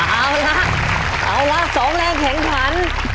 เอาละเอาละ๒แรงแข็งขัน